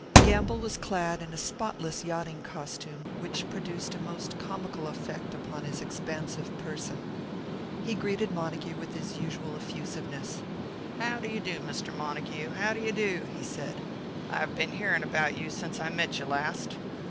Gamble was clad in a spotless yachting costume, which produced a most comical effect upon his expansive person. He greeted Montague with his usual effusiveness. "How do you do, Mr. Montague how do you do?" he said. "I've been hearing about you since I met you last."